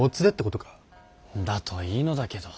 だといいのだけど。